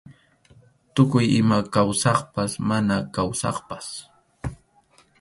Tukuy ima kawsaqpas mana kawsaqpas.